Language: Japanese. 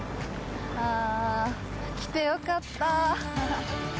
あぁ、来てよかった。